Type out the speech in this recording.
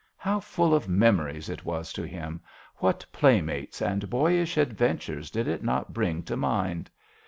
How full of memories it was to him ! what playmates and boyish adventures did it not bring to mind